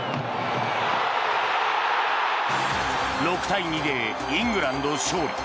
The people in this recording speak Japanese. ６対２でイングランドの勝利。